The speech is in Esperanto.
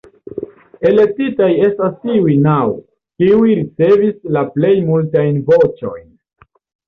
Elektitaj estas tiuj naŭ, kiuj ricevis la plej multajn voĉojn.